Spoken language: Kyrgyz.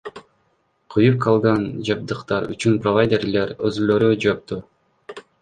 Күйүп калган жабдыктар үчүн провайдерлер өзүлөрү жоопту.